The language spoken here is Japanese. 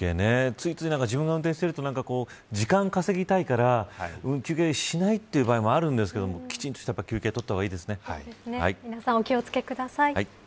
ついつい自分が運転していると時間を稼ぎたいから休憩しないという場合もあるんですけど、きちんと皆さん、お気を付けください。